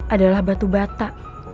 adalah batu bata